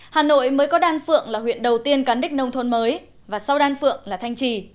hà nội mới có đan phượng là huyện đầu tiên cán đích nông thôn mới và sau đan phượng là thanh trì